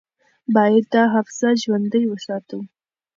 باید دا حافظه ژوندۍ وساتو.